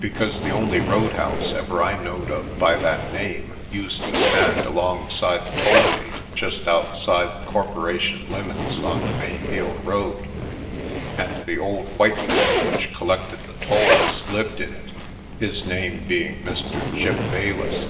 Because the only road house ever I knowed of by that name used to stand alongside the toll gate just outside the corporation limits on the Ma3^field road and the old white man which collected the tolls lived in it, his name being Mr. Gip Bayless.